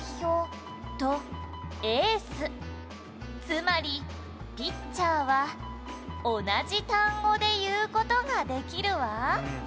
「つまりピッチャーは同じ単語で言う事ができるわ」